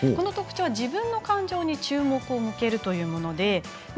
自分の感情に注目を向けるところが特徴です。